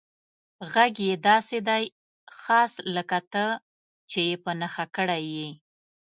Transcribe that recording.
غږ یې داسې دی، خاص لکه ته چې یې په نښه کړی یې.